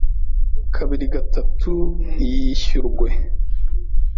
kabiri gatatu ntiyishyurwe